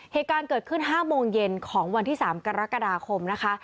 เหตุการณ์เกิดขึ้น๕โมงเย็นของวันที่๓กรกฎาคมนะคะ